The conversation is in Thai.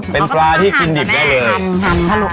เป็นปลาที่กินดิบได้เลย